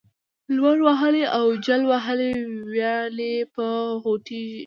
لمر وهلې او جل وهلې ويالې به وخوټېږي،